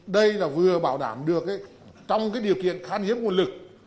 đây là vừa bảo đảm được trong điều kiện khan hiếm nguồn lực